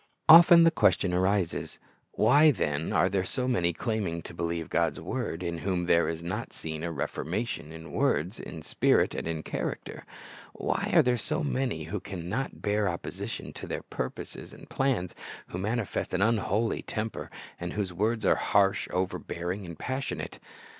Often the question arises, Why, then, are there so many, claiming to believe God's word, in whom there is not seen a reformation in words, in spirit, and in character? Why are there so many who can not bear opposition to their purposes and plans, who manifest an unholy temper, and whose words are harsh, overbearing, and passionate?